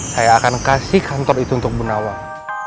saya akan kasih kantor itu untuk benawang